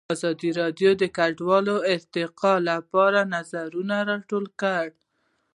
ازادي راډیو د کډوال د ارتقا لپاره نظرونه راټول کړي.